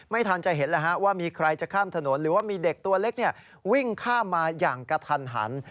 ไม่ทันจะเห็นแล้วว่ามีใครจะข้ามถนนหรือว่ามีเด็กตัวเล็กวิ่งข้ามมาอย่างกระทันหัน